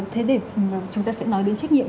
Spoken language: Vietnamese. thế để chúng ta sẽ nói đến trách nhiệm